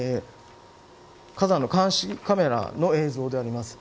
火山の監視カメラの映像です。